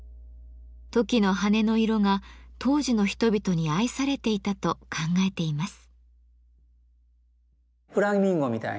トキの羽の色が当時の人々に愛されていたと考えています。